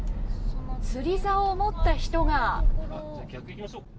釣りざおを持った人が。